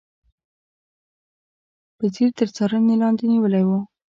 په ځیر تر څارنې لاندې نیولي و.